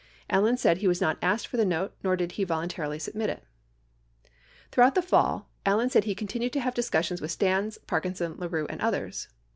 Allen said he was not asked for the note nor did he voluntarily submit it. Throughout the fall, Allen said he continued to have discussions with Stans, Parkinson, LaRue, and others.